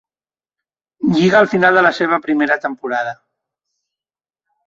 Lliga al final de la seva primera temporada.